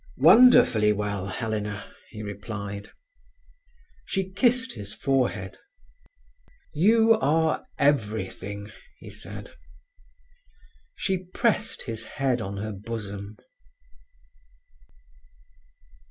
"Wonderfully well, Helena," he replied. She kissed his forehead. "You are everything," he said. She pressed his head on her bosom.